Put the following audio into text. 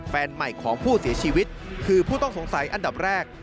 แฟนใหม่ของผู้เสียชีวิตคือผู้ต้องสงสัยอันดับแรก